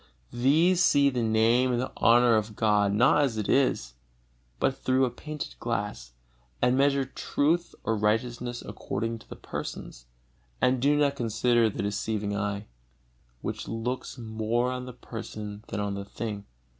These see the Name and the honor of God not as it is, but through a painted glass, and measure truth or righteousness according to the persons, and do not consider their deceiving eye, which looks more on the person than on the thing.